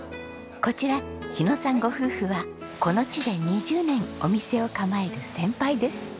こちら日野さんご夫婦はこの地で２０年お店を構える先輩です。